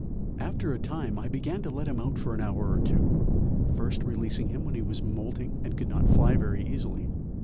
After a time I began to let him out for an hour or two, first releasing him when he was moulting and could not fly very easily.